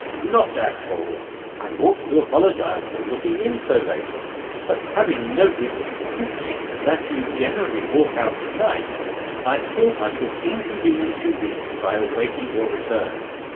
"Not at all. I ought to apologise for looking in so late. But having noticed (excuse me) that you generally walk out at night, I thought I should inconvenience you least by awaiting your return.